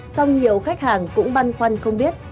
song nhiều khách hàng cũng băn khoăn không biết